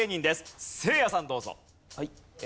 せいやさんどうぞ。